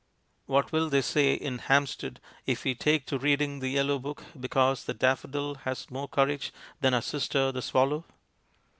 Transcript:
What will they say in Hampstead if we take to reading the Yellow Book because the daffodil has more courage than our sister the swallow?